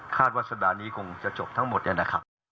คาดว่าสัดดานี้คงจะจบทั้งหมดนี่นะครับ